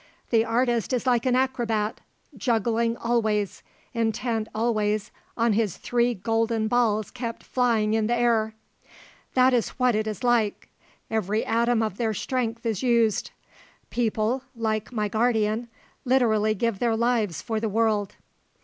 The artist is like an acrobat, juggling always, intent always on his three golden balls kept flying in the air. That is what it is like. Every atom of their strength is used. People, like my guardian, literally give their lives for the world."